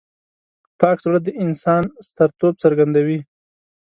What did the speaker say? پاک زړه د انسان سترتوب څرګندوي.